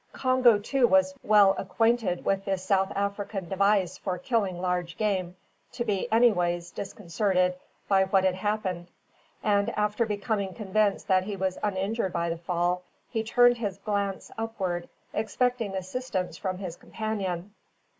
Congo was too well acquainted with this South African device for killing large game to be anyways disconcerted by what had happened; and after becoming convinced that he was uninjured by the fall, he turned his glance upward, expecting assistance from his companion.